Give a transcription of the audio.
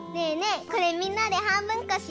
これみんなではんぶんこしよう！